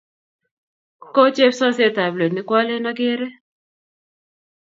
ko chepsoset ab let ne kwalen agere